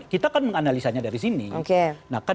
kita kan menganalisanya dari sini oke nah kan